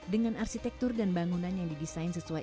dengan arsitektur dan bangunan yang didesain sesuai